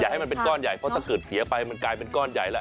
ให้มันเป็นก้อนใหญ่เพราะถ้าเกิดเสียไปมันกลายเป็นก้อนใหญ่แล้ว